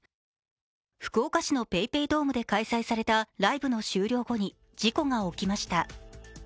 福岡市のＰａｙＰａｙドームで開催されたライブの終了後に事故が起きました。